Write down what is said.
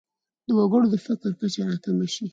د وګړو د فقر کچه راکمه شي.